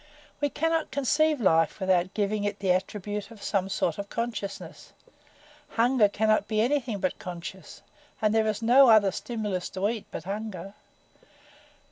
We cannot conceive life without giving it the attribute of some sort of consciousness. Hunger cannot be anything but conscious, and there is no other stimulus to eat but hunger.